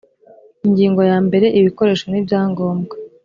ingingo yambere ibikoresho n ibyangombwa